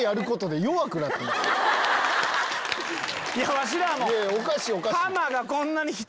わしらも。